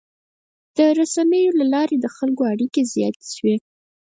د رسنیو له لارې د خلکو اړیکې زیاتې شوي.